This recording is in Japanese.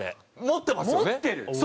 持ってますよね。